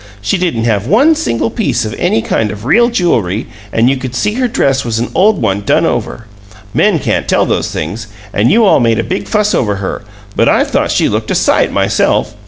She didn't have one single piece of any kind of real jewelry, and you could see her dress was an old one done over. Men can't tell those things, and you all made a big fuss over her, but I thought she looked a sight, myself!